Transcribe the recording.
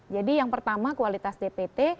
jadi yang pertama kualitas dpt